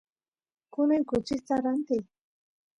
kunan kuchista rantiy